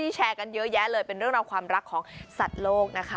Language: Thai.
แชร์กันเยอะแยะเลยเป็นเรื่องราวความรักของสัตว์โลกนะคะ